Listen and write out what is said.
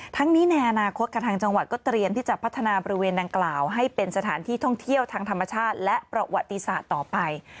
ทั้งนี้ในอนาคตกับทางจังหวัดก็เตรียมที่จะพัฒนาบริเวณดังกล่าวให้เป็นสถานที่ท่องเที่ยวทางธรรมชาติและประวัติศาสตร์ต่อไป